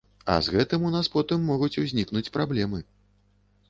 А з гэтым у нас потым могуць узнікнуць праблемы.